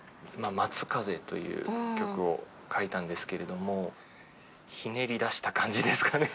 「松風」という曲を書いたんですけれどもひねり出した感じですかね。